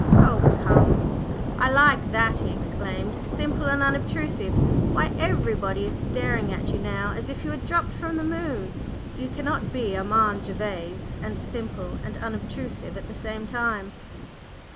"Oh, come, I like that!" he exclaimed. "Simple and unobtrusive! Why everybody is staring at you now as if you had dropped from the moon! You cannot be Armand Gervase and simple and unobtrusive at the same time!"